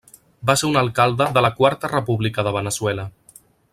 Va ser un alcalde de la quarta república de Veneçuela.